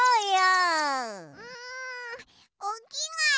うんおきがえ